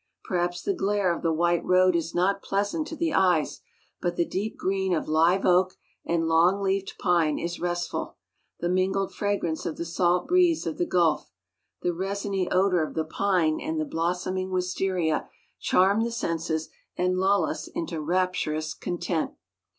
Perhaps the glare of the white road is not pleasant to the eyes, but the deep green of live oak and long leafed pine is restful, the mingled fragrance of the salt breeze of the gulf, the resiny odor of the pine and the blossoming wisteria charm the senses and lull us into rapturous content.